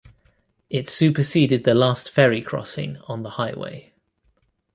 It superseded the last ferry crossing on the highway.